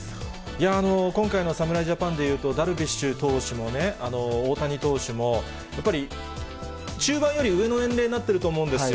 いやー、今回の侍ジャパンでいうと、ダルビッシュ投手もね、大谷投手も、やっぱり中盤より上の年齢になってると思うんですよ。